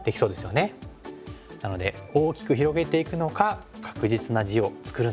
なので大きく広げていくのか確実な地を作るのか。